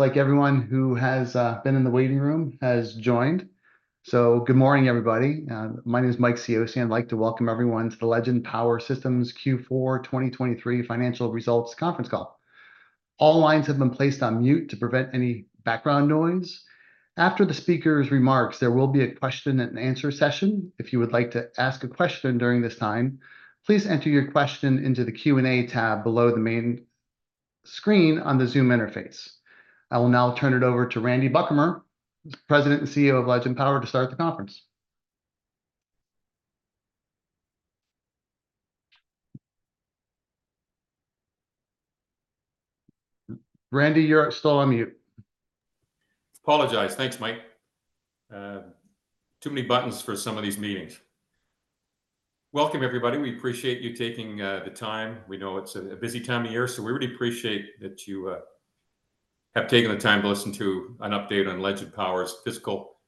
Looks like everyone who has been in the waiting room has joined. So good morning, everybody. My name is Mike Cioce. I'd like to welcome everyone to the Legend Power Systems Q4 2023 Financial Results Conference Call. All lines have been placed on mute to prevent any background noise. After the speaker's remarks, there will be a question and answer session. If you would like to ask a question during this time, please enter your question into the Q&A tab below the main screen on the Zoom interface. I will now turn it over to Randy Buchamer, President and CEO of Legend Power, to start the conference. Randy, you're still on mute. Apologies. Thanks, Mike. Too many buttons for some of these meetings. Welcome, everybody. We appreciate you taking the time. We know it's a busy time of year, so we really appreciate that you have taken the time to listen to an update on Legend Power's fiscal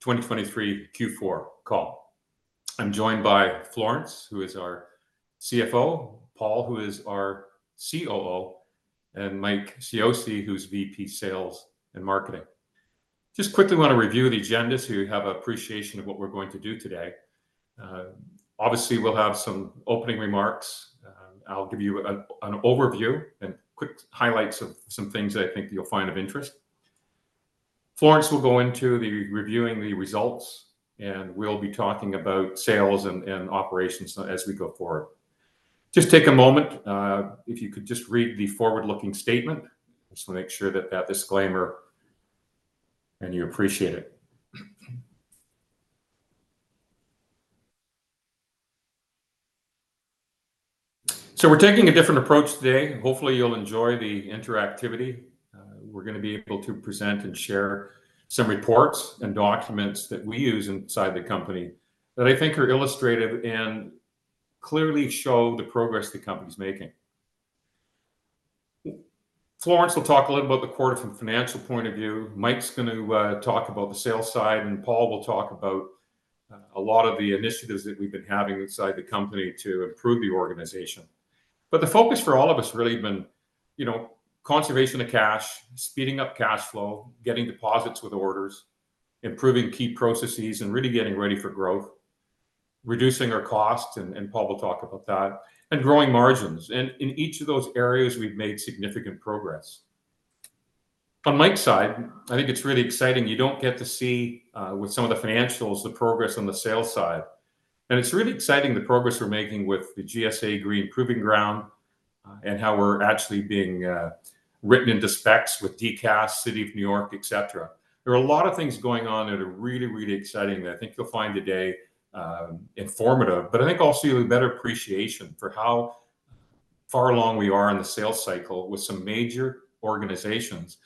2023 Q4 call. I'm joined by Florence, who is our CFO, Paul, who is our COO, and Mike Cioce, who's VP, Sales and Marketing. Just quickly want to review the agenda, so you have an appreciation of what we're going to do today. Obviously, we'll have some opening remarks. I'll give you an overview and quick highlights of some things that I think you'll find of interest. Florence will go into reviewing the results, and we'll be talking about sales and operations as we go forward. Just take a moment, if you could just read the forward-looking statement. Just want to make sure that, that disclaimer, and you appreciate it. So we're taking a different approach today, and hopefully, you'll enjoy the interactivity. We're gonna be able to present and share some reports and documents that we use inside the company that I think are illustrative and clearly show the progress the company's making. Florence will talk a little about the quarter from a financial point of view. Mike's going to talk about the sales side, and Paul will talk about a lot of the initiatives that we've been having inside the company to improve the organization. But the focus for all of us really been, you know, conservation of cash, speeding up cash flow, getting deposits with orders, improving key processes, and really getting ready for growth, reducing our costs, and Paul will talk about that, and growing margins. In each of those areas, we've made significant progress. On Mike's side, I think it's really exciting. You don't get to see with some of the financials, the progress on the sales side. It's really exciting, the progress we're making with the GSA Green Proving Ground and how we're actually being written into specs with DCAS, City of New York, et cetera. There are a lot of things going on that are really, really exciting, and I think you'll find today informative. But I think also you have a better appreciation for how far along we are in the sales cycle with some major organizations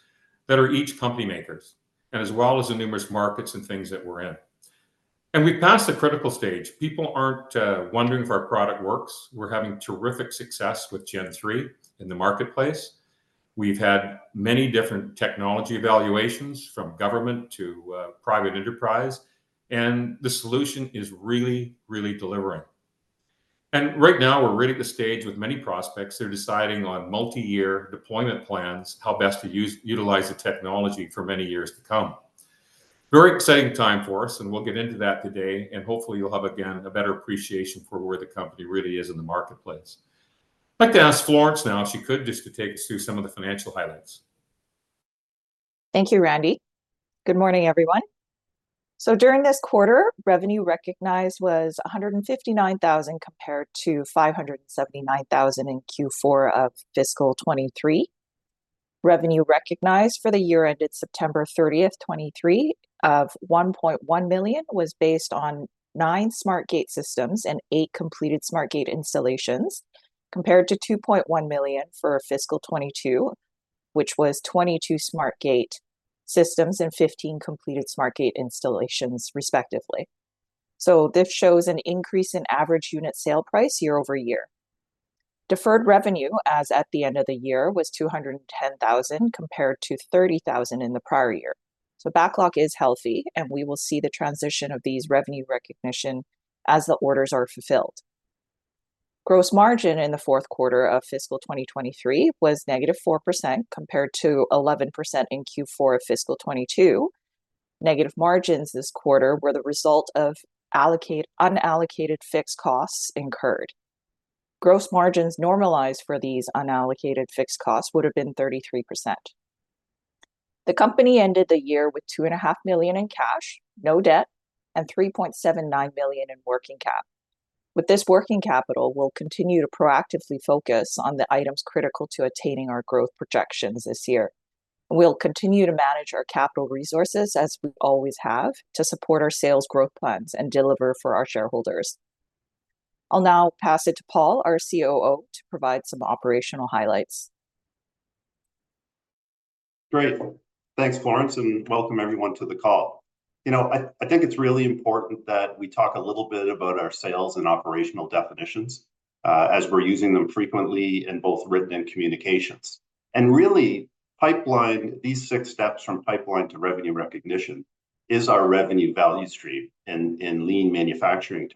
that are each company makers, and as well as the numerous markets and things that we're in. And we've passed the critical stage. People aren't wondering if our product works. We're having terrific success with Gen3 in the marketplace. We've had many different technology evaluations, from government to private enterprise, and the solution is really, really delivering. And right now, we're ready to stage with many prospects. They're deciding on multi-year deployment plans, how best to utilize the technology for many years to come. Very exciting time for us, and we'll get into that today, and hopefully, you'll have, again, a better appreciation for where the company really is in the marketplace. I'd like to ask Florence now, if she could, just to take us through some of the financial highlights. Thank you, Randy. Good morning, everyone. So during this quarter, revenue recognized was 159,000, compared to 579,000 in Q4 of fiscal 2023. Revenue recognized for the year ended September 30th, 2023, of 1.1 million was based on nine SmartGATE systems and eight completed SmartGATE installations, compared to 2.1 million for fiscal 2022, which was 22 SmartGATE systems and 15 completed SmartGATE installations, respectively. So this shows an increase in average unit sale price year-over-year. Deferred revenue, as at the end of the year, was 210,000, compared to 30,000 in the prior year. So backlog is healthy, and we will see the transition of these revenue recognition as the orders are fulfilled. Gross margin in the fourth quarter of fiscal 2023 was negative 4%, compared to 11% in Q4 of fiscal 2022. Negative margins this quarter were the result of unallocated fixed costs incurred. Gross margins normalized for these unallocated fixed costs would have been 33%. The company ended the year with 2.5 million in cash, no debt, and 3.79 million in working cap. With this working capital, we'll continue to proactively focus on the items critical to attaining our growth projections this year. We'll continue to manage our capital resources, as we always have, to support our sales growth plans and deliver for our shareholders. I'll now pass it to Paul, our COO, to provide some operational highlights. Great. Thanks, Florence, and welcome everyone to the call. You know, I, I think it's really important that we talk a little bit about our sales and operational definitions as we're using them frequently in both written and communications. And really, pipeline, these six steps from pipeline to revenue recognition is our revenue value stream in lean manufacturing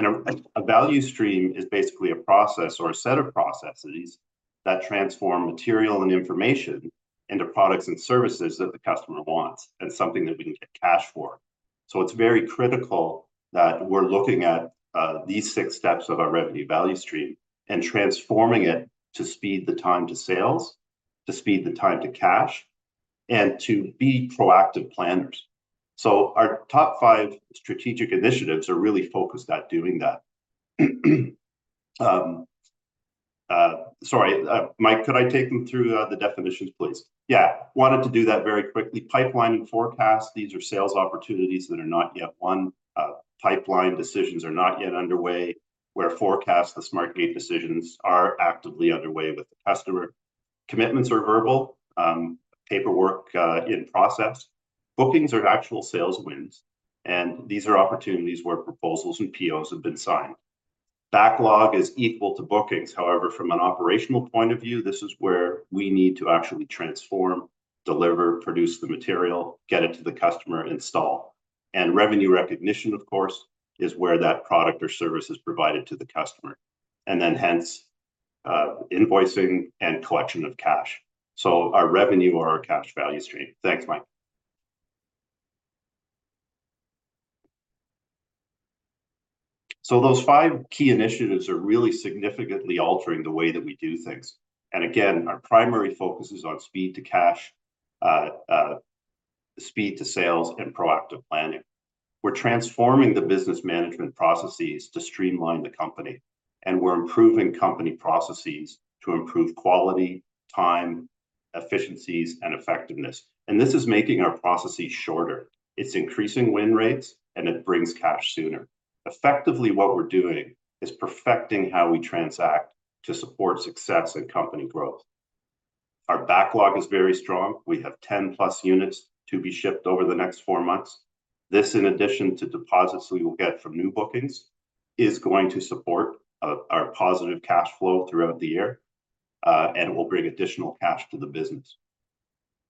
terms... and a value stream is basically a process or a set of processes that transform material and information into products and services that the customer wants, and something that we can get cash for. So it's very critical that we're looking at these six steps of our revenue value stream and transforming it to speed the time to sales, to speed the time to cash, and to be proactive planners. So our top five strategic initiatives are really focused at doing that. Sorry, Mike, could I take them through the definitions, please? Yeah, wanted to do that very quickly. Pipeline and forecast, these are sales opportunities that are not yet won. Pipeline decisions are not yet underway. Where forecast, the SmartGATE decisions are actively underway with the customer. Commitments are verbal, paperwork in process. Bookings are actual sales wins, and these are opportunities where proposals and POs have been signed. Backlog is equal to bookings. However, from an operational point of view, this is where we need to actually transform, deliver, produce the material, get it to the customer, install. Revenue recognition, of course, is where that product or service is provided to the customer, and then hence, invoicing and collection of cash. So our revenue or our cash value stream. Thanks, Mike. So those five key initiatives are really significantly altering the way that we do things. And again, our primary focus is on speed to cash, speed to sales, and proactive planning. We're transforming the business management processes to streamline the company, and we're improving company processes to improve quality, time, efficiencies, and effectiveness. And this is making our processes shorter. It's increasing win rates, and it brings cash sooner. Effectively, what we're doing is perfecting how we transact to support success and company growth. Our backlog is very strong. We have 10+ units to be shipped over the next four months. This, in addition to deposits we will get from new bookings, is going to support our positive cash flow throughout the year, and will bring additional cash to the business.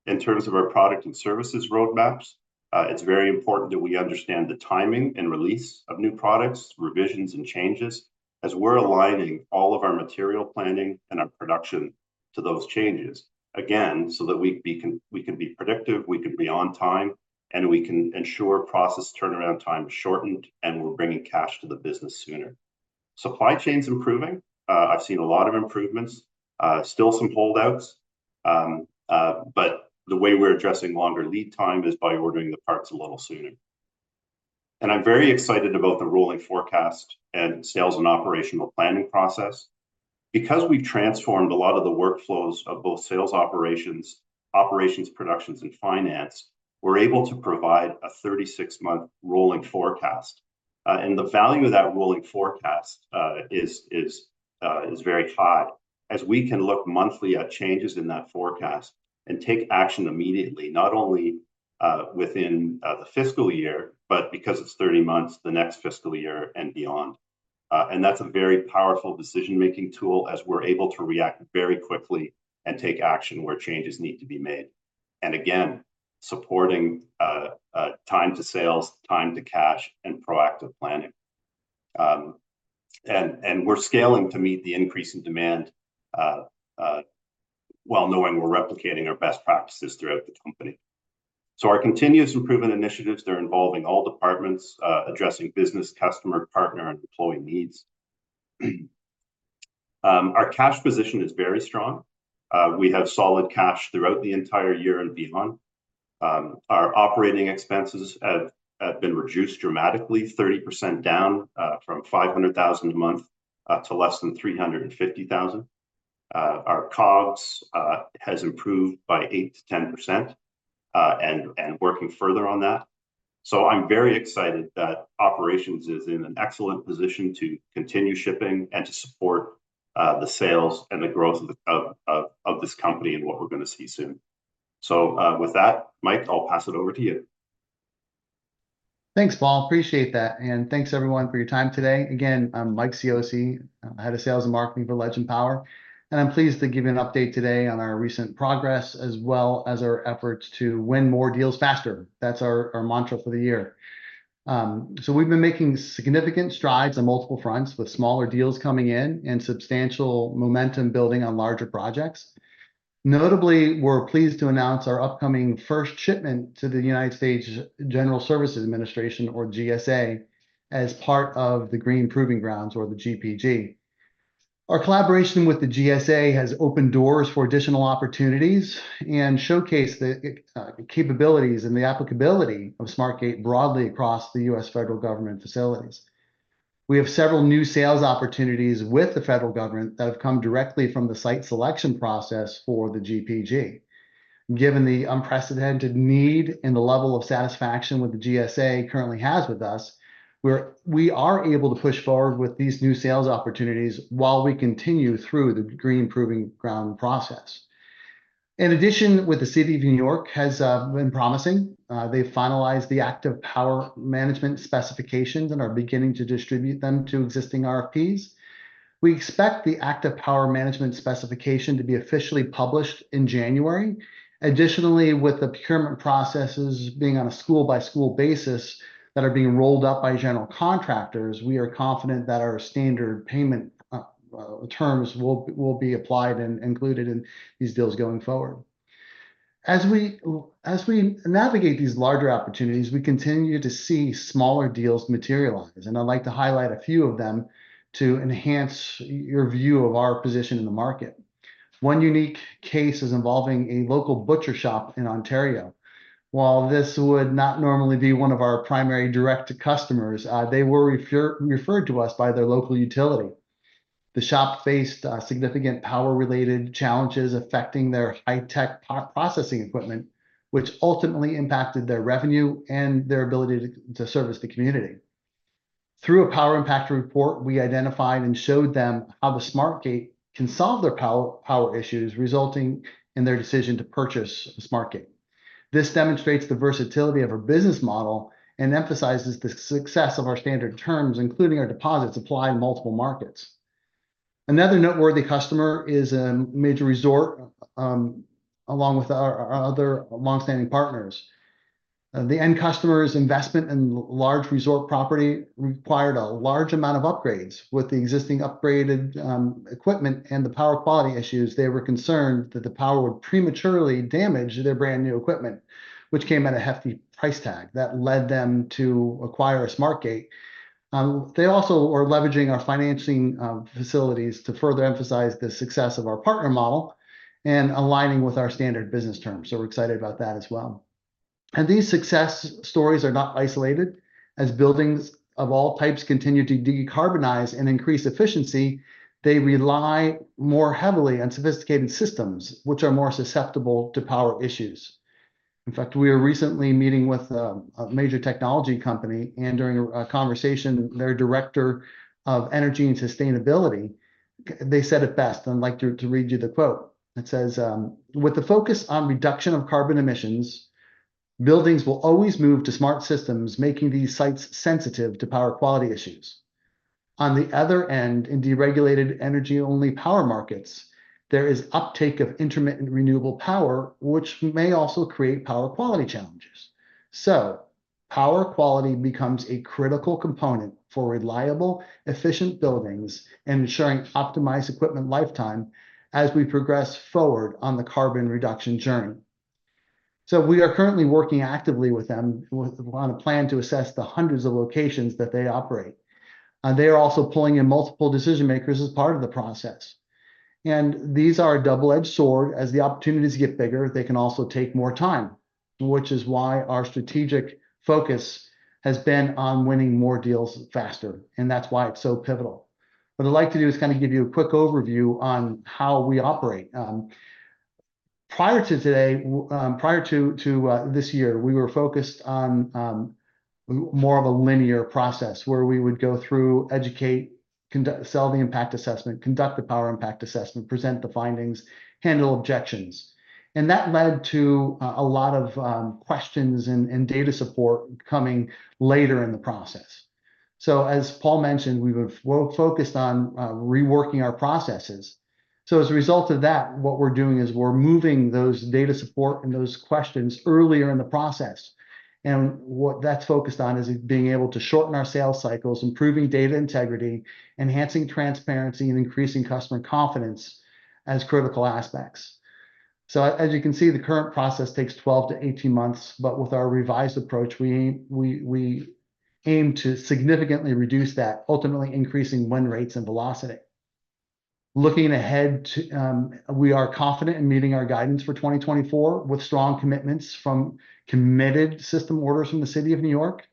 In terms of our product and services roadmaps, it's very important that we understand the timing and release of new products, revisions, and changes, as we're aligning all of our material planning and our production to those changes. Again, so that we can be predictive, we can be on time, and we can ensure process turnaround time is shortened, and we're bringing cash to the business sooner. Supply chain's improving. I've seen a lot of improvements. Still some holdouts, but the way we're addressing longer lead time is by ordering the parts a little sooner. I'm very excited about the rolling forecast and sales and operational planning process. Because we've transformed a lot of the workflows of both sales operations, operations, productions, and finance, we're able to provide a 36-month rolling forecast. The value of that rolling forecast is very tight, as we can look monthly at changes in that forecast and take action immediately, not only within the fiscal year, but because it's 30 months, the next fiscal year and beyond. That's a very powerful decision-making tool, as we're able to react very quickly and take action where changes need to be made. Again, supporting time to sales, time to cash, and proactive planning. We're scaling to meet the increase in demand while knowing we're replicating our best practices throughout the company. So our continuous improvement initiatives, they're involving all departments, addressing business, customer, partner, and employee needs. Our cash position is very strong. We have solid cash throughout the entire year and beyond. Our operating expenses have been reduced dramatically, 30% down, from 500,000 a month to less than 350,000. Our COGS has improved by 8%-10%, and working further on that. So I'm very excited that operations is in an excellent position to continue shipping and to support the sales and the growth of this company and what we're gonna see soon. So, with that, Mike, I'll pass it over to you. Thanks, Paul. Appreciate that, and thanks, everyone, for your time today. Again, I'm Mike Cioce, head of sales and marketing for Legend Power, and I'm pleased to give you an update today on our recent progress, as well as our efforts to win more deals faster. That's our, our mantra for the year. So we've been making significant strides on multiple fronts, with smaller deals coming in and substantial momentum building on larger projects. Notably, we're pleased to announce our upcoming first shipment to the United States General Services Administration, or GSA, as part of the Green Proving Ground, or the GPG. Our collaboration with the GSA has opened doors for additional opportunities and showcased the capabilities and the applicability of SmartGATE broadly across the U.S. federal government facilities. We have several new sales opportunities with the federal government that have come directly from the site selection process for the GPG. Given the unprecedented need and the level of satisfaction that the GSA currently has with us, we are able to push forward with these new sales opportunities while we continue through the Green Proving Ground process. In addition, what the City of New York has been promising. They finalized the Active Power Management specifications and are beginning to distribute them to existing RFPs. We expect the Active Power Management specification to be officially published in January. Additionally, with the procurement processes being on a school-by-school basis that are being rolled out by general contractors, we are confident that our standard payment terms will be applied and included in these deals going forward. As we navigate these larger opportunities, we continue to see smaller deals materialize, and I'd like to highlight a few of them to enhance your view of our position in the market. One unique case is involving a local butcher shop in Ontario. While this would not normally be one of our primary direct to customers, they were referred to us by their local utility. The shop faced significant power-related challenges affecting their high-tech processing equipment, which ultimately impacted their revenue and their ability to service the community. Through a power impact report, we identified and showed them how the SmartGATE can solve their power issues, resulting in their decision to purchase a SmartGATE. This demonstrates the versatility of our business model and emphasizes the success of our standard terms, including our deposits, apply in multiple markets. Another noteworthy customer is a major resort, along with our other long-standing partners. The end customer's investment in large resort property required a large amount of upgrades. With the existing upgraded equipment and the power quality issues, they were concerned that the power would prematurely damage their brand-new equipment, which came at a hefty price tag. That led them to acquire a SmartGATE. They also were leveraging our financing facilities to further emphasize the success of our partner model and aligning with our standard business terms, so we're excited about that as well. These success stories are not isolated. As buildings of all types continue to decarbonize and increase efficiency, they rely more heavily on sophisticated systems, which are more susceptible to power issues. In fact, we were recently meeting with a major technology company, and during a conversation, their director of energy and sustainability said it best, and I'd like to read you the quote. It says, "With the focus on reduction of carbon emissions, buildings will always move to smart systems, making these sites sensitive to power quality issues. On the other end, in deregulated energy-only power markets, there is uptake of intermittent renewable power, which may also create power quality challenges. So power quality becomes a critical component for reliable, efficient buildings and ensuring optimized equipment lifetime as we progress forward on the carbon reduction journey." So we are currently working actively with them on a plan to assess the hundreds of locations that they operate, and they are also pulling in multiple decision-makers as part of the process. And these are a double-edged sword. As the opportunities get bigger, they can also take more time, which is why our strategic focus has been on winning more deals faster, and that's why it's so pivotal. What I'd like to do is kind of give you a quick overview on how we operate. Prior to this year, we were focused on more of a linear process, where we would go through, educate, conduct, sell the impact assessment, conduct the power impact assessment, present the findings, handle objections, and that led to a lot of questions and data support coming later in the process. So as Paul mentioned, we were focused on reworking our processes. So as a result of that, what we're doing is we're moving those data support and those questions earlier in the process, and what that's focused on is being able to shorten our sales cycles, improving data integrity, enhancing transparency, and increasing customer confidence as critical aspects. So as you can see, the current process takes 12-18 months, but with our revised approach, we aim, we, we aim to significantly reduce that, ultimately increasing win rates and velocity. Looking ahead to, we are confident in meeting our guidance for 2024, with strong commitments from committed system orders from the City of New York,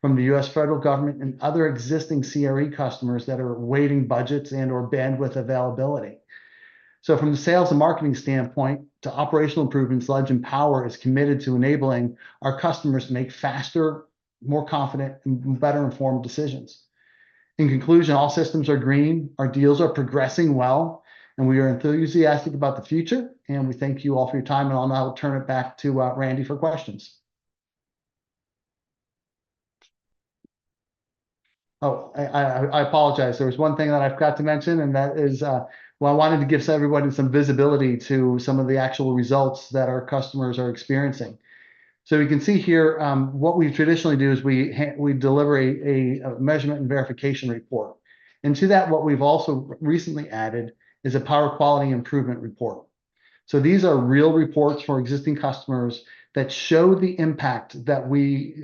from the U.S. federal government, and other existing CRE customers that are awaiting budgets and/or bandwidth availability. So from the sales and marketing standpoint to operational improvements, Legend Power is committed to enabling our customers make faster, more confident, and better informed decisions. In conclusion, all systems are green. Our deals are progressing well, and we are enthusiastic about the future, and we thank you all for your time, and I'll now turn it back to Randy for questions. Oh, I apologize. There was one thing that I forgot to mention, and that is, well, I wanted to give everybody some visibility to some of the actual results that our customers are experiencing. So we can see here, what we traditionally do is we deliver a measurement and verification report, and to that, what we've also recently added is a power quality improvement report. So these are real reports for existing customers that show the impact that we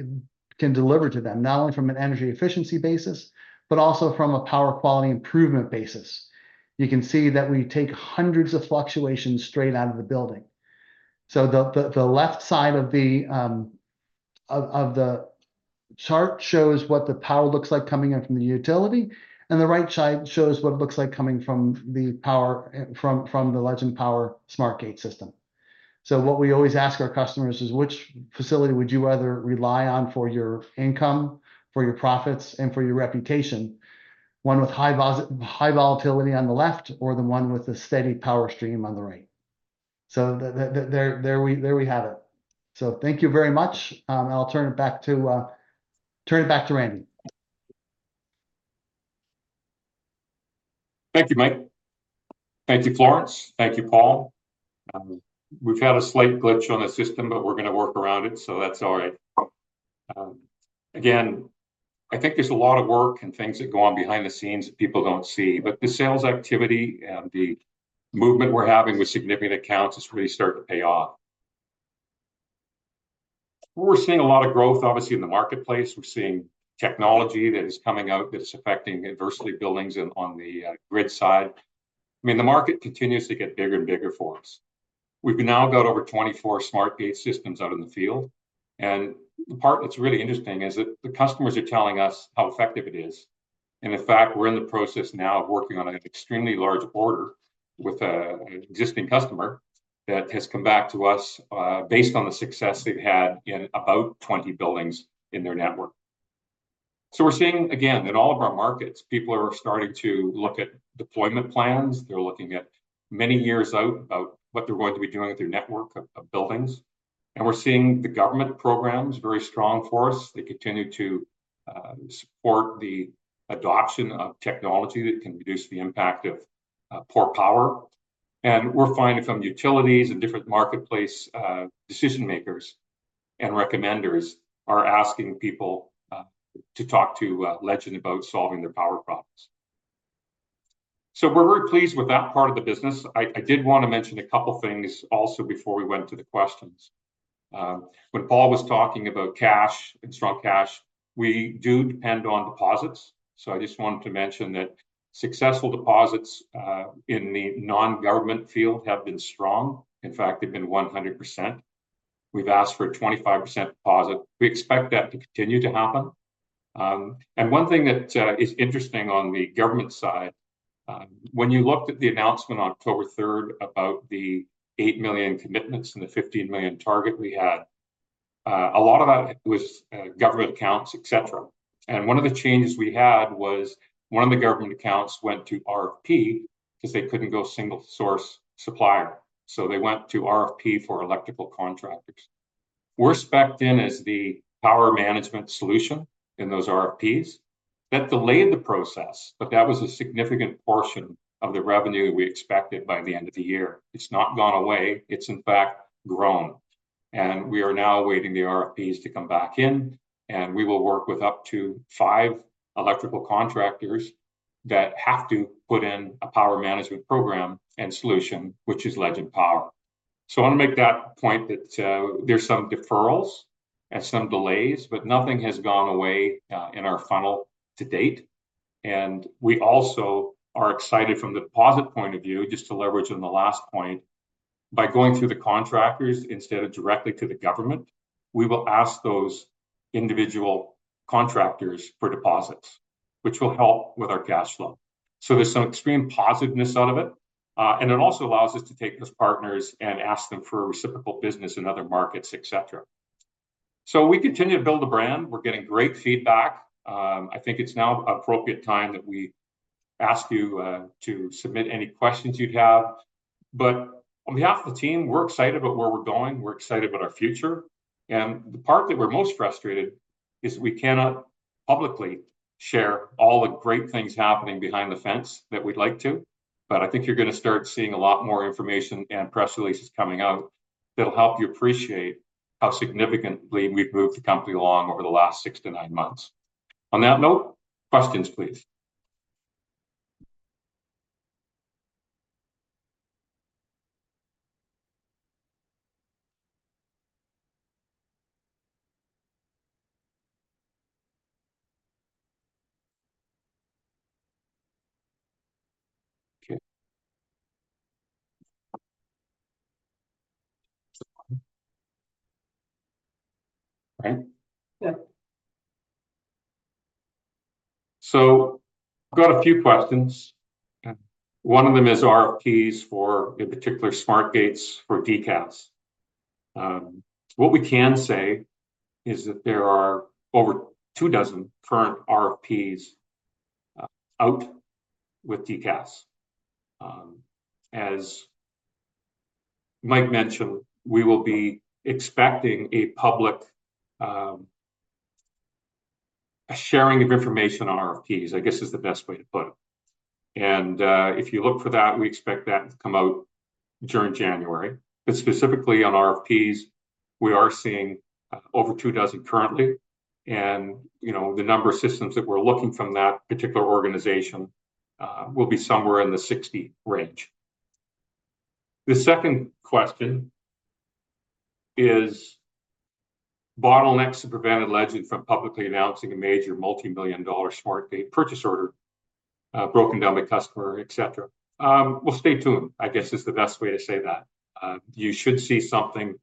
can deliver to them, not only from an energy efficiency basis, but also from a power quality improvement basis. You can see that we take hundreds of fluctuations straight out of the building. So the left side of the chart shows what the power looks like coming in from the utility, and the right side shows what it looks like coming from the power from the Legend Power Systems SmartGATE system. So what we always ask our customers is: Which facility would you rather rely on for your income, for your profits, and for your reputation, one with high volatility on the left or the one with the steady power stream on the right? So there we have it. So thank you very much, I'll turn it back to Randy. Thank you, Mike. Thank you, Florence. Thank you, Paul. We've had a slight glitch on the system, but we're gonna work around it, so that's all right. Again, I think there's a lot of work and things that go on behind the scenes that people don't see, but the sales activity and the movement we're having with significant accounts is really starting to pay off. We're seeing a lot of growth, obviously, in the marketplace. We're seeing technology that is coming out that's affecting adversely buildings on the grid side. I mean, the market continues to get bigger and bigger for us. We've now got over 24 SmartGATE systems out in the field, and the part that's really interesting is that the customers are telling us how effective it is. In fact, we're in the process now of working on an extremely large order with an existing customer that has come back to us based on the success they've had in about 20 buildings in their network. So we're seeing, again, in all of our markets, people are starting to look at deployment plans. They're looking at many years out about what they're going to be doing with their network of buildings. And we're seeing the government programs very strong for us. They continue to support the adoption of technology that can reduce the impact of poor power. And we're finding from utilities and different marketplace decision-makers and recommenders are asking people to talk to Legend about solving their power problems. So we're very pleased with that part of the business. I did wanna mention a couple things also before we went to the questions. When Paul was talking about cash and strong cash, we do depend on deposits, so I just wanted to mention that successful deposits in the non-government field have been strong. In fact, they've been 100%. We've asked for a 25% deposit. We expect that to continue to happen. And one thing that is interesting on the government side, when you looked at the announcement on October 3rd about the $8 million commitments and the $15 million target we had, a lot of that was government accounts, et cetera. And one of the changes we had was one of the government accounts went to RFP, 'cause they couldn't go single-source supplier, so they went to RFP for electrical contractors. We're spec'd in as the power management solution in those RFPs. That delayed the process, but that was a significant portion of the revenue we expected by the end of the year. It's not gone away, it's in fact grown, and we are now awaiting the RFPs to come back in, and we will work with up to five electrical contractors that have to put in a power management program and solution, which is Legend Power. So I wanna make that point, that, there's some deferrals and some delays, but nothing has gone away, in our funnel to date. We also are excited from the deposit point of view, just to leverage on the last point, by going through the contractors instead of directly to the government, we will ask those individual contractors for deposits, which will help with our cash flow. So there's some extreme positiveness out of it, and it also allows us to take those partners and ask them for reciprocal business in other markets, et cetera. So we continue to build the brand. We're getting great feedback. I think it's now appropriate time that we ask you to submit any questions you'd have. But on behalf of the team, we're excited about where we're going, we're excited about our future, and the part that we're most frustrated is we cannot publicly share all the great things happening behind the fence that we'd like to, but I think you're gonna start seeing a lot more information and press releases coming out that'll help you appreciate how significantly we've moved the company along over the last 6-9 months. On that note, questions please. Okay. Yeah. So, got a few questions, and one of them is RFPs for, in particular, SmartGATEs for DCAS. What we can say is that there are over 24 current RFPs out with DCAS. As Mike mentioned, we will be expecting a public sharing of information on RFPs, I guess is the best way to put it. And, if you look for that, we expect that to come out during January. But specifically on RFPs, we are seeing over 24 currently, and, you know, the number of systems that we're looking from that particular organization will be somewhere in the 60 range. The second question is, bottlenecks have prevented Legend from publicly announcing a major multi-million dollar SmartGATE purchase order, broken down by customer, et cetera. Well, stay tuned, I guess is the best way to say that. You should see something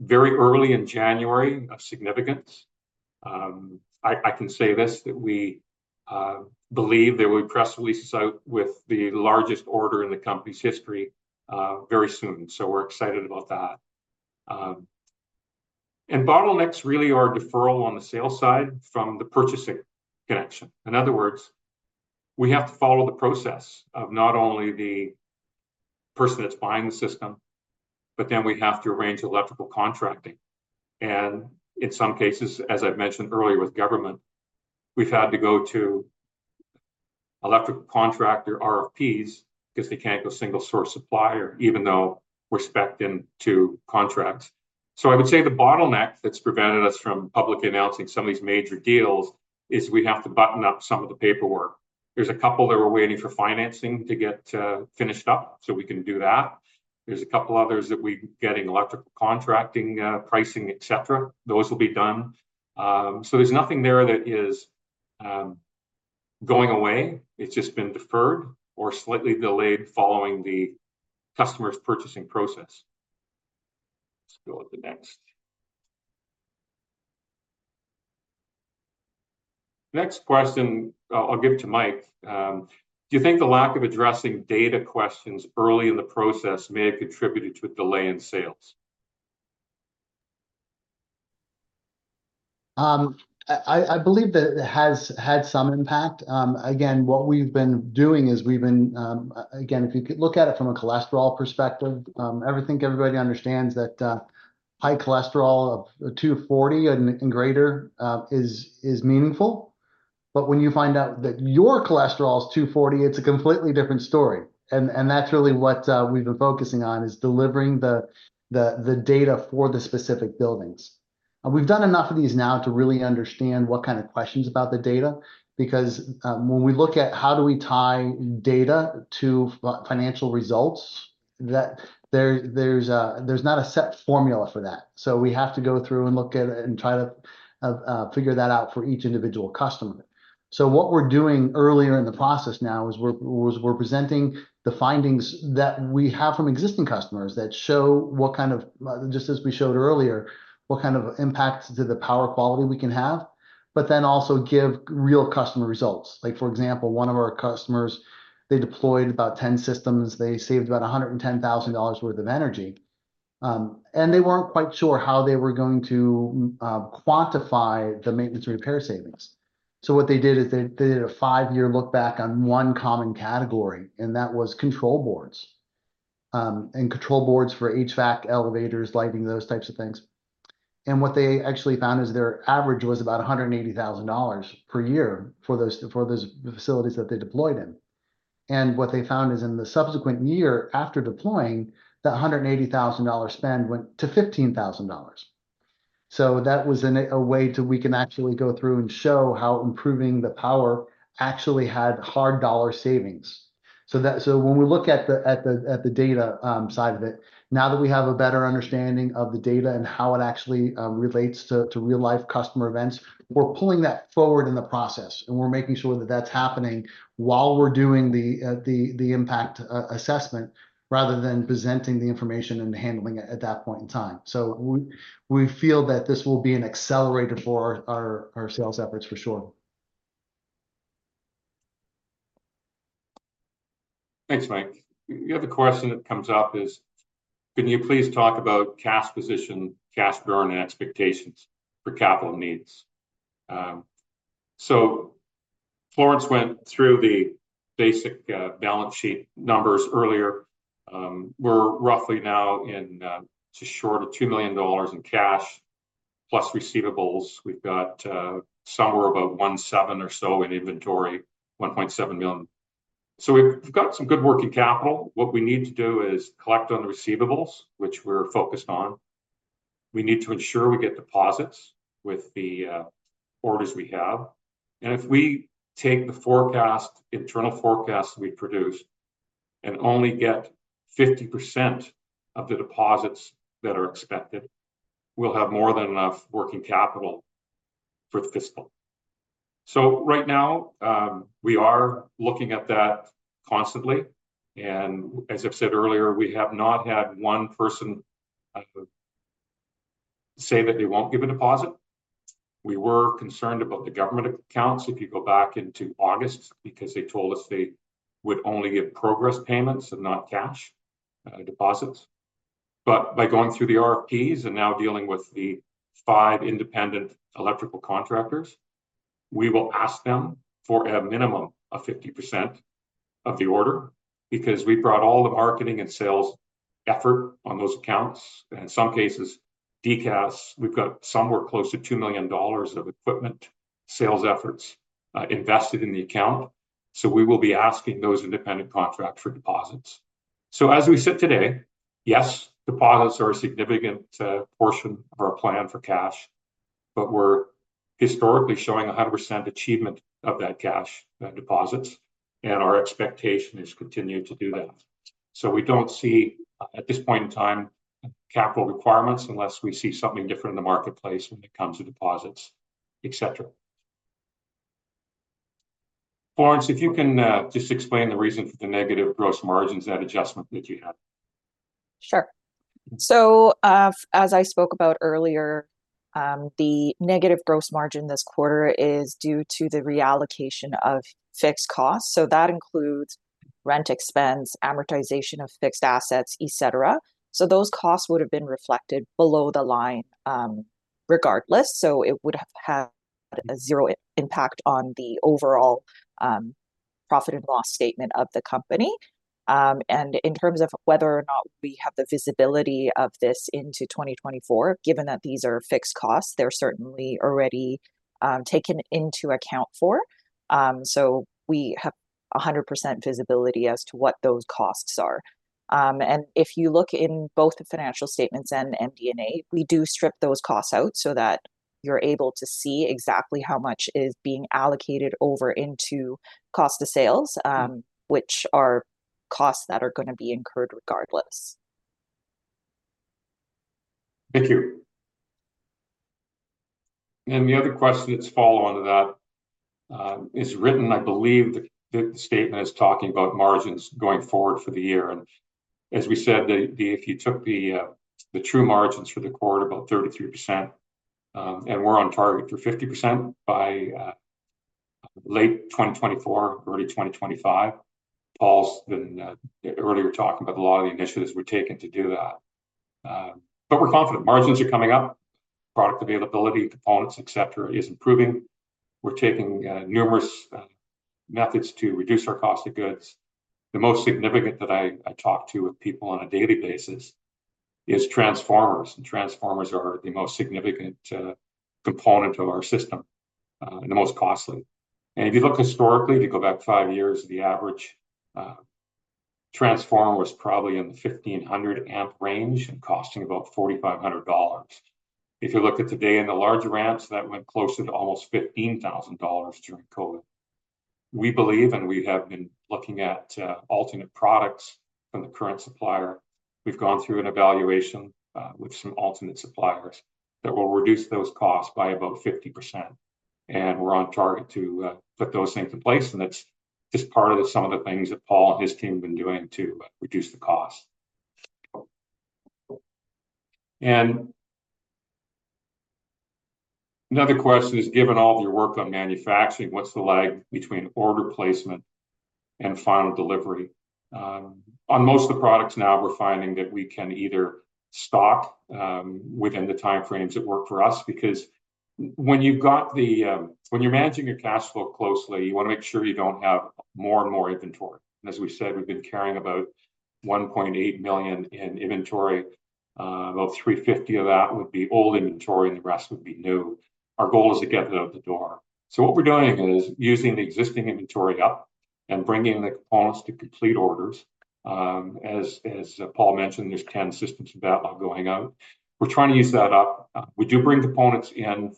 very early in January of significance. I can say this, that we believe there will be press releases out with the largest order in the company's history very soon, so we're excited about that. Bottlenecks really are deferral on the sales side from the purchasing connection. In other words, we have to follow the process of not only the person that's buying the system, but then we have to arrange electrical contracting. And in some cases, as I've mentioned earlier with government, we've had to go to electric contractor RFPs because they can't go single source supplier even though we're spec'd into contract. So I would say the bottleneck that's prevented us from publicly announcing some of these major deals is we have to button up some of the paperwork. There's a couple that we're waiting for financing to get finished up, so we can do that. There's a couple others that we're getting electrical contracting pricing, et cetera. Those will be done. So there's nothing there that is going away. It's just been deferred or slightly delayed following the customer's purchasing process. Let's go to the next. Next question, I'll give to Mike. Do you think the lack of addressing data questions early in the process may have contributed to a delay in sales? I believe that it has had some impact. Again, what we've been doing is we've been. Again, if you could look at it from a cholesterol perspective, everybody understands that high cholesterol of 240 and greater is meaningful. But when you find out that your cholesterol is 240, it's a completely different story, and that's really what we've been focusing on, is delivering the data for the specific buildings. And we've done enough of these now to really understand what kind of questions about the data, because when we look at how do we tie data to financial results, that there's not a set formula for that. So we have to go through and look at it and try to figure that out for each individual customer. So what we're doing earlier in the process now is we're presenting the findings that we have from existing customers that show what kind of, just as we showed earlier, what kind of impacts to the power quality we can have, but then also give real customer results. Like, for example, one of our customers, they deployed about 10 systems. They saved about $110,000 worth of energy. They weren't quite sure how they were going to quantify the maintenance repair savings. So what they did is they did a five-year look back on one common category, and that was control boards, and control boards for HVAC, elevators, lighting, those types of things. What they actually found is their average was about $180,000 per year for those facilities that they deployed in. What they found is in the subsequent year after deploying, that $180,000 spend went to $15,000. So that was a way we can actually go through and show how improving the power actually had hard dollar savings. So when we look at the data side of it, now that we have a better understanding of the data and how it actually relates to real-life customer events, we're pulling that forward in the process, and we're making sure that that's happening while we're doing the impact assessment, rather than presenting the information and handling it at that point in time. So we feel that this will be an accelerator for our sales efforts, for sure. Thanks, Mike. The other question that comes up is: "Can you please talk about cash position, cash burn, and expectations for capital needs?" So Florence went through the basic balance sheet numbers earlier. We're roughly now in just short of 2 million dollars in cash, plus receivables. We've got somewhere about 1.7 million in inventory. So we've got some good working capital. What we need to do is collect on the receivables, which we're focused on. We need to ensure we get deposits with the orders we have. And if we take the forecast, internal forecast we produce, and only get 50% of the deposits that are expected, we'll have more than enough working capital for the fiscal. Right now, we are looking at that constantly, and as I've said earlier, we have not had one person say that they won't give a deposit. We were concerned about the government accounts, if you go back into August, because they told us they would only give progress payments and not cash deposits. But by going through the RFPs and now dealing with the five independent electrical contractors, we will ask them for a minimum of 50% of the order, because we brought all the marketing and sales effort on those accounts, and in some cases, DCAS, we've got somewhere close to $2 million of equipment sales efforts invested in the account. We will be asking those independent contractors for deposits. So as we sit today, yes, deposits are a significant portion of our plan for cash, but we're historically showing 100% achievement of that cash deposits, and our expectation is to continue to do that. So we don't see, at this point in time, capital requirements, unless we see something different in the marketplace when it comes to deposits, et cetera. Florence, if you can just explain the reason for the negative gross margins, that adjustment that you have. Sure. So, as I spoke about earlier, the negative gross margin this quarter is due to the reallocation of fixed costs. So that includes rent expense, amortization of fixed assets, et cetera. So those costs would have been reflected below the line, regardless, so it would have had a zero impact on the overall profit and loss statement of the company. And in terms of whether or not we have the visibility of this into 2024, given that these are fixed costs, they're certainly already taken into account for. So we have 100% visibility as to what those costs are. If you look in both the financial statements and MD&A, we do strip those costs out so that you're able to see exactly how much is being allocated over into cost of sales, which are costs that are gonna be incurred regardless. Thank you. And the other question that's follow on to that, is written, I believe, the statement is talking about margins going forward for the year. And as we said, if you took the true margins for the quarter, about 33%, and we're on target for 50% by late 2024, early 2025. Paul's been earlier talking about a lot of the initiatives we're taking to do that. But we're confident. Margins are coming up, product availability, components, et cetera, is improving. We're taking numerous methods to reduce our cost of goods. The most significant that I talk to with people on a daily basis is transformers, and transformers are the most significant component of our system, and the most costly. If you look historically, if you go back five years, the average transformer was probably in the 1,500 amp range and costing about $4,500. If you look at today in the larger amps, that went closer to almost $15,000 during COVID. We believe, and we have been looking at alternate products from the current supplier. We've gone through an evaluation with some alternate suppliers that will reduce those costs by about 50%, and we're on target to put those things in place, and that's just part of some of the things that Paul and his team have been doing to reduce the cost. And another question is, "Given all of your work on manufacturing, what's the lag between order placement and final delivery?" On most of the products now, we're finding that we can either stock within the timeframes that work for us. Because when you've got the, when you're managing your cash flow closely, you wanna make sure you don't have more and more inventory. As we've said, we've been carrying about 1.8 million in inventory. About 350,000 of that would be old inventory, and the rest would be new. Our goal is to get it out the door. So what we're doing is using the existing inventory up and bringing the components to complete orders. As Paul mentioned, there's 10 systems of backlog going out. We're trying to use that up. We do bring components in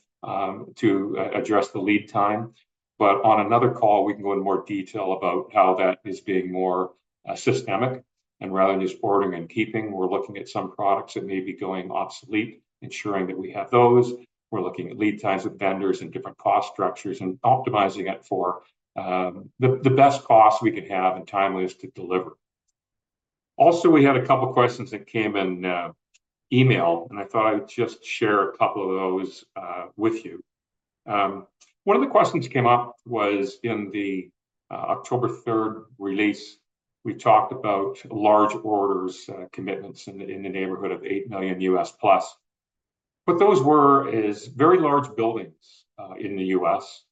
to address the lead time, but on another call, we can go into more detail about how that is being more systemic. Rather than just ordering and keeping, we're looking at some products that may be going obsolete, ensuring that we have those. We're looking at lead times with vendors and different cost structures, and optimizing it for the best cost we can have and timelines to deliver. Also, we had a couple questions that came in email, and I thought I'd just share a couple of those with you. One of the questions came up was, in the October 3rd release, we talked about large orders, commitments in the neighborhood of $8 million+. What those were is very large buildings in the U.S.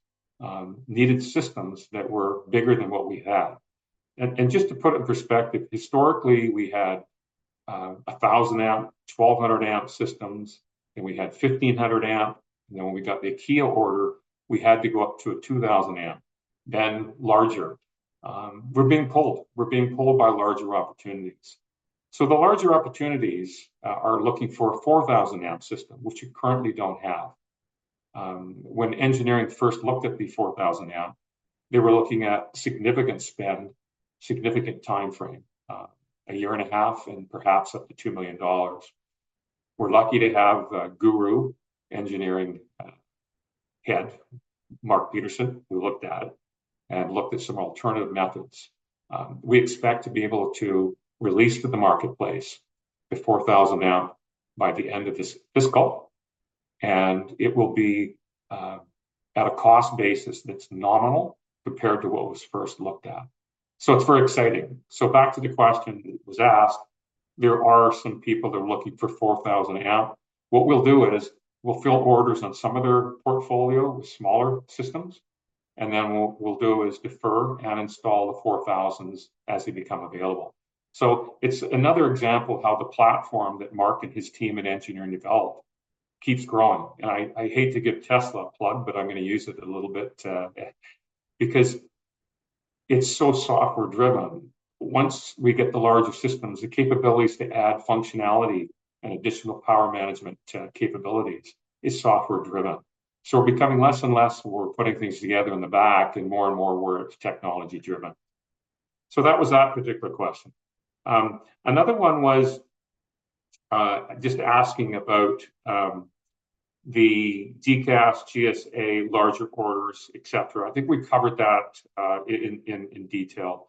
needed systems that were bigger than what we had. And just to put it in perspective, historically, we had a 1000-amp, 1200-amp systems, and we had 1500-amp. And then when we got the IKEA order, we had to go up to a 2000-amp, then larger. We're being pulled by larger opportunities. So the larger opportunities are looking for a 4000-amp system, which we currently don't have. When engineering first looked at the 4000-amp, they were looking at significant spend, significant timeframe, a year and a half, and perhaps up to $2 million. We're lucky to have our engineering head, Mark Peterson, who looked at it and looked at some alternative methods. We expect to be able to release to the marketplace the 4,000-amp by the end of this fiscal, and it will be at a cost basis that's nominal compared to what was first looked at. So it's very exciting. So back to the question that was asked, there are some people that are looking for 4,000-amp. What we'll do is, we'll fill orders on some of their portfolio with smaller systems, and then what we'll, we'll do is defer and install the 4,000s as they become available. So it's another example of how the platform that Mark and his team in engineering developed keeps growing. And I, I hate to give Tesla a plug, but I'm gonna use it a little bit because it's so software driven. Once we get the larger systems, the capabilities to add functionality and additional power management capabilities is software driven. So we're becoming less and less we're putting things together in the back, and more and more we're technology driven. So that was that particular question. Another one was just asking about the DCAS, GSA, larger orders, et cetera. I think we covered that in detail.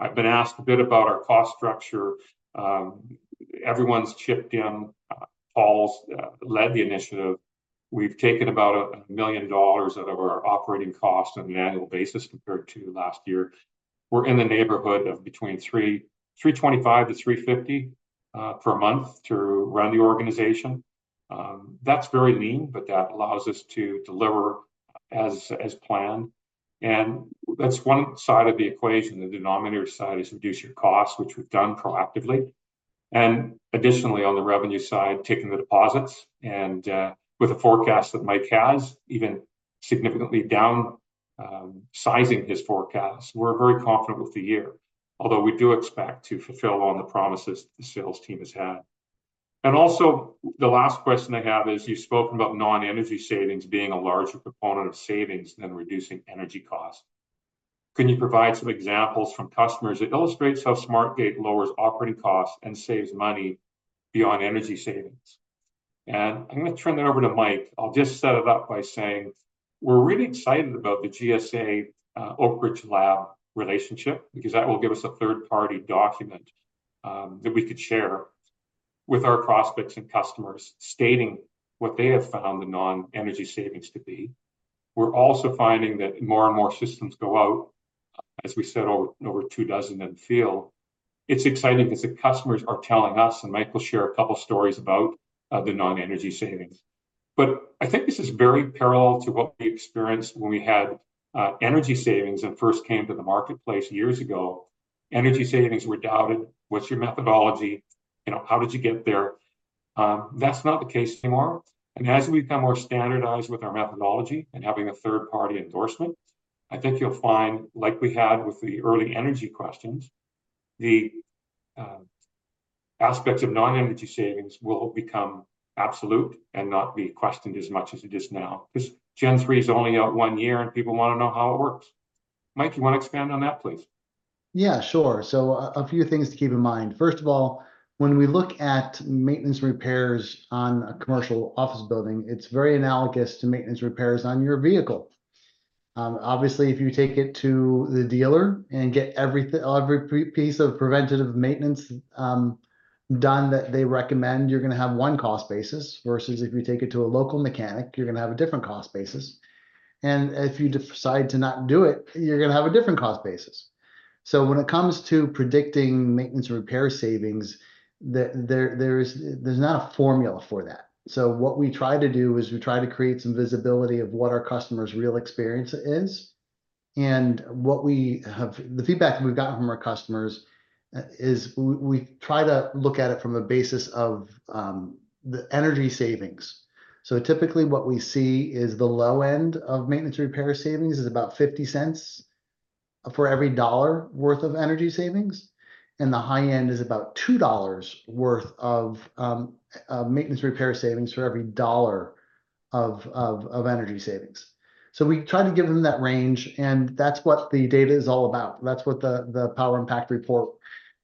I've been asked a bit about our cost structure. Everyone's chipped in. Paul's led the initiative. We've taken about $1 million out of our operating costs on an annual basis compared to last year. We're in the neighborhood of between $3,325-$3,350 per month to run the organization. That's very lean, but that allows us to deliver as planned, and that's one side of the equation. The denominator side is reduce your costs, which we've done proactively, and additionally, on the revenue side, taking the deposits. And with the forecast that Mike has, even significantly down, sizing his forecast, we're very confident with the year. Although we do expect to fulfill on the promises the sales team has had. And also, the last question I have is, you've spoken about non-energy savings being a larger component of savings than reducing energy costs. Can you provide some examples from customers that illustrates how SmartGATE lowers operating costs and saves money beyond energy savings? And I'm gonna turn that over to Mike. I'll just set it up by saying we're really excited about the GSA, Oak Ridge Lab relationship, because that will give us a third-party document that we could share with our prospects and customers, stating what they have found the non-energy savings to be. We're also finding that more and more systems go out, as we said, over 24 in the field. It's exciting because the customers are telling us, and Mike will share a couple stories about the non-energy savings. But I think this is very parallel to what we experienced when we had energy savings and first came to the marketplace years ago. Energy savings were doubted. What's your methodology?" You know, "How did you get there?" That's not the case anymore, and as we become more standardized with our methodology and having a third-party endorsement, I think you'll find, like we had with the early energy questions, the aspects of non-energy savings will become absolute and not be questioned as much as it is now. 'Cause Gen3 is only out one year, and people wanna know how it works. Mike, you want to expand on that, please? Yeah, sure. So a few things to keep in mind. First of all, when we look at maintenance repairs on a commercial office building, it's very analogous to maintenance repairs on your vehicle. Obviously, if you take it to the dealer and get everything, every piece of preventative maintenance done that they recommend, you're gonna have one cost basis, versus if you take it to a local mechanic, you're gonna have a different cost basis. And if you decide to not do it, you're gonna have a different cost basis. So when it comes to predicting maintenance repair savings, there's not a formula for that. So what we try to do is we try to create some visibility of what our customer's real experience is. And what we have the feedback we've gotten from our customers is we try to look at it from a basis of the energy savings. So typically what we see is the low end of maintenance repair savings is about $0.50 for every $1 worth of energy savings, and the high end is about $2 worth of maintenance repair savings for every $1 of energy savings. So we try to give them that range, and that's what the data is all about. That's what the power impact report,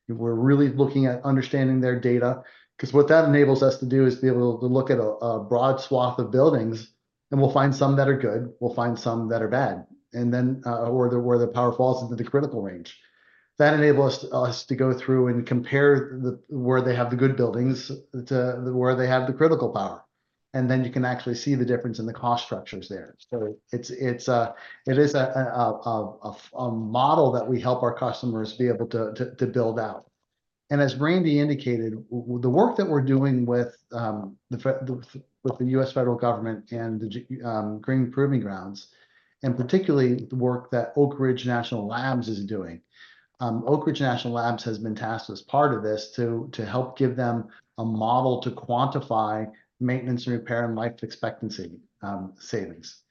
we're really looking at understanding their data. 'Cause what that enables us to do is be able to look at a broad swath of buildings, and we'll find some that are good, we'll find some that are bad, and then, or where the power falls into the critical range. That enables us to go through and compare where they have the good buildings to where they have the critical power, and then you can actually see the difference in the cost structures there. So it is a model that we help our customers be able to build out. And as Randy indicated, the work that we're doing with the U.S. federal government and the Green Proving Ground, and particularly the work that Oak Ridge National Laboratory is doing, Oak Ridge National Laboratory has been tasked as part of this to help give them a model to quantify maintenance and repair and life expectancy savings.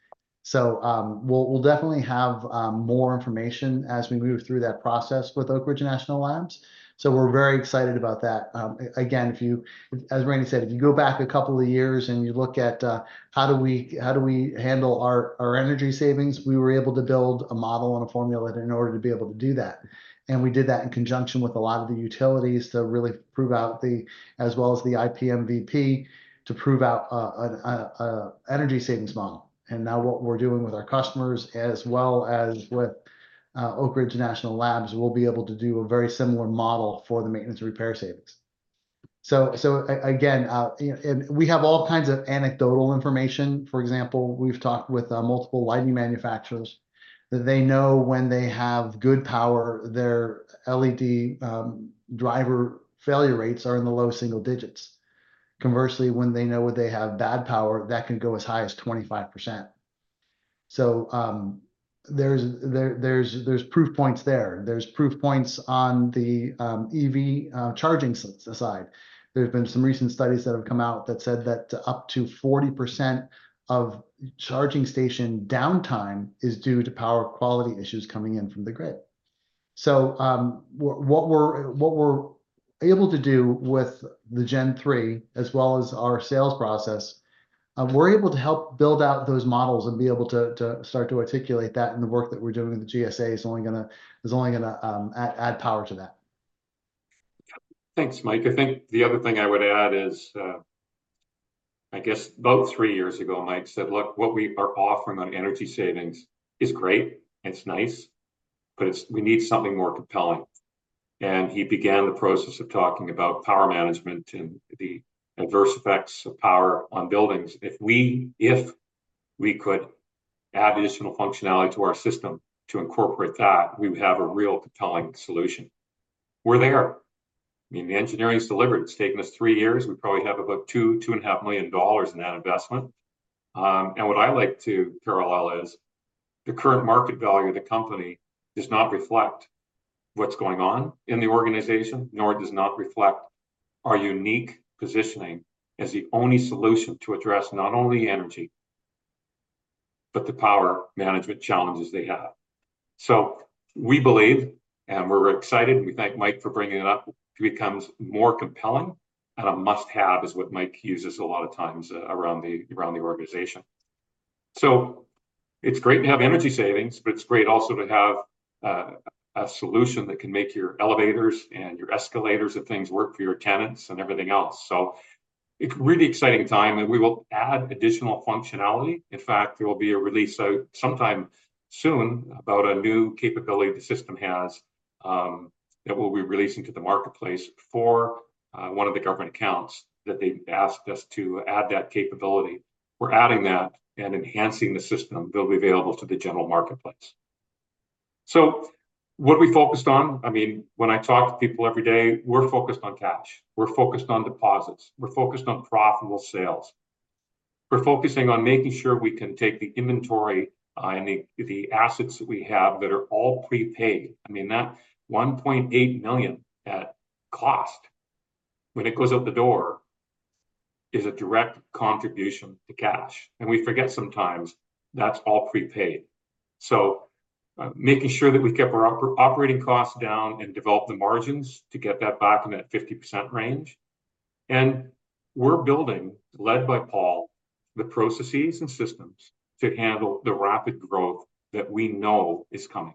So, we'll definitely have more information as we move through that process with Oak Ridge National Laboratory, so we're very excited about that. Again, if you, as Randy said, if you go back a couple of years, and you look at how do we handle our energy savings, we were able to build a model and a formula in order to be able to do that. And we did that in conjunction with a lot of the utilities to really prove out the, as well as the IPMVP, to prove out a energy savings model. And now what we're doing with our customers, as well as with Oak Ridge National Laboratory, we'll be able to do a very similar model for the maintenance and repair savings. So again, we have all kinds of anecdotal information. For example, we've talked with multiple lighting manufacturers, that they know when they have good power, their LED driver failure rates are in the low single digits. Conversely, when they know that they have bad power, that can go as high as 25%. So, there's proof points there. There's proof points on the EV charging side. There's been some recent studies that have come out that said that up to 40% of charging station downtime is due to power quality issues coming in from the grid. So, what we're able to do with the Gen3, as well as our sales process, we're able to help build out those models and be able to start to articulate that, and the work that we're doing with the GSA is only gonna add power to that. Thanks, Mike. I think the other thing I would add is, I guess about three years ago, Mike said, "Look, what we are offering on energy savings is great, it's nice, but we need something more compelling." He began the process of talking about power management and the adverse effects of power on buildings. If we could add additional functionality to our system to incorporate that, we would have a real compelling solution. We're there. I mean, the engineering's delivered. It's taken us three years. We probably have about 2 million-2.5 million dollars in that investment. And what I like to parallel is, the current market value of the company does not reflect what's going on in the organization, nor does it not reflect our unique positioning as the only solution to address not only energy, but the power management challenges they have. So we believe, and we're excited, and we thank Mike for bringing it up, it becomes more compelling, and a must-have, is what Mike uses a lot of times, around the organization. So it's great to have energy savings, but it's great also to have a solution that can make your elevators and your escalators and things work for your tenants and everything else. So a really exciting time, and we will add additional functionality. In fact, there will be a release out sometime soon about a new capability the system has, that we'll be releasing to the marketplace for one of the government accounts, that they've asked us to add that capability. We're adding that and enhancing the system. It'll be available to the general marketplace. So what are we focused on? I mean, when I talk to people every day, we're focused on cash, we're focused on deposits, we're focused on profitable sales. We're focusing on making sure we can take the inventory and the assets that we have that are all prepaid. I mean, that 1.8 million at cost, when it goes out the door, is a direct contribution to cash, and we forget sometimes that's all prepaid. So, making sure that we kept our operating costs down and develop the margins to get that back in that 50% range. And we're building, led by Paul, the processes and systems to handle the rapid growth that we know is coming.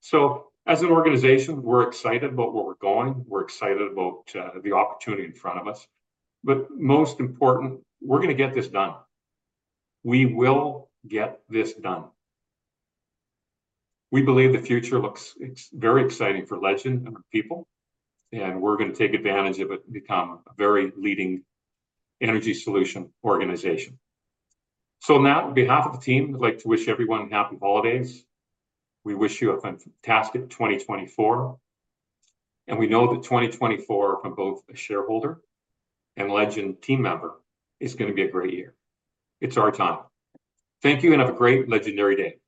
So as an organization, we're excited about where we're going. We're excited about the opportunity in front of us. But most important, we're gonna get this done. We will get this done. We believe the future looks very exciting for Legend and our people, and we're gonna take advantage of it and become a very leading energy solution organization. So now, on behalf of the team, I'd like to wish everyone happy holidays. We wish you a fantastic 2024, and we know that 2024, from both a shareholder and Legend team member, is gonna be a great year. It's our time. Thank you, and have a great legendary day!